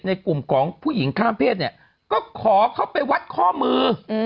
ในกลุ่มของผู้หญิงข้ามเพศเนี่ยก็ขอเข้าไปวัดข้อมือ